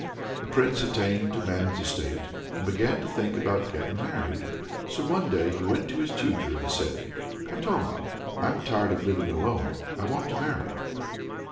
The Prince attained to man's estate, and began to think about getting married. So one day he went to his tutor and said: "Katoma, I'm tired of living alone, I want to marry."